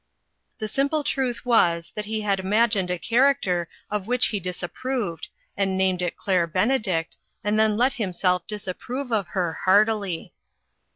The simple truth was, that he had imagined a character of which he disapproved, and named it Cluire Benedict, and then let himself dis approve of her heartily.